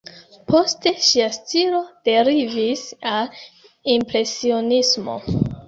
Poste ŝia stilo derivis al impresionismo.